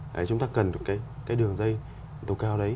đấy chúng ta cần được cái đường dây tố cáo đấy